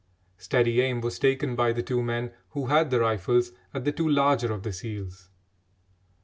Steady aim was taken by the two men who had the rifles at the two larger of the seals.